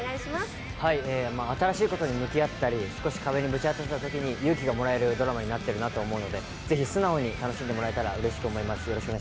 新しいことに向き合ったり少し壁にぶち当たったときに勇気がもらえるドラマになっているなと思うのでぜひ素直に楽しんでもらえたらうれしく思います。